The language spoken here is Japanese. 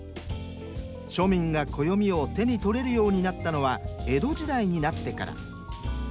庶民が暦を手に取れるようになったのは江戸時代になってから。